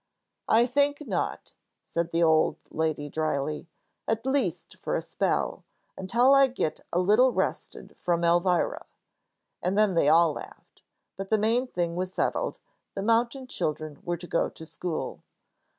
"I think not," said the old lady, dryly. "At least for a spell, until I get a little rested from Elvira," and then they all laughed. But the main thing was settled: the mountain children were to go to school.